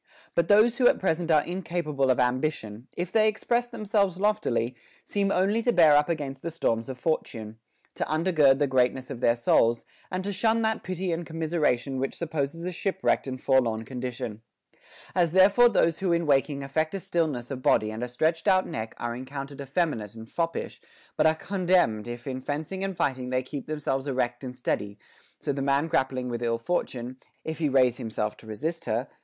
But those who at present are incapable of ambition, if they express themselves loftily, seem only to bear up against the storms of Fortune, to undergird the greatness of their souls, and to shun that pity and commis eration which supposes a shipwrecked and forlorn condition, As therefore those who in walking affect a stiffness jf body and a stretched out neck are accounted effeminate and fop pish, but are commended if in fencing and fighting they keep themselves erect and steady ; so the man grappling with ill fortune, if he raise himself to resist her, * II.